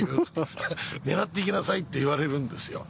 狙っていきなさいって言われるんですよ。